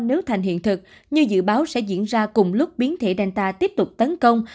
nếu thành hiện thực như dự báo sẽ diễn ra cùng lúc biến thể danta tiếp tục tấn công